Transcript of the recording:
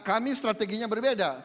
kami strateginya berbeda